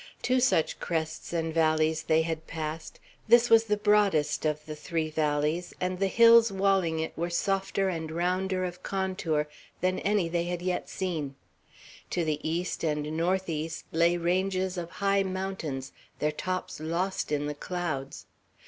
Two such crests and valleys they had passed; this was the broadest of the three valleys, and the hills walling it were softer and rounder of contour than any they had yet seen. To the east and northeast lay ranges of high mountains, their tops lost in the clouds.